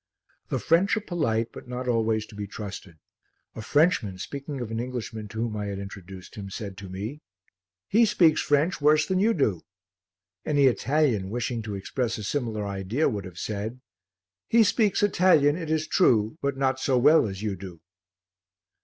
The French are polite, but not always to be trusted. A Frenchman, speaking of an Englishman to whom I had introduced him, said to me "He speaks French worse than you do." Any Italian, wishing to express a similar idea, would have said "He speaks Italian, it is true, but not so well as you do."